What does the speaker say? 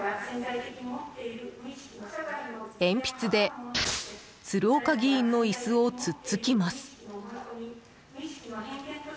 鉛筆で鶴岡議員の椅子を突っつきます。